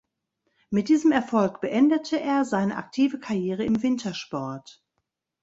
Mit diesem Erfolg beendete er seine aktive Karriere im Wintersport.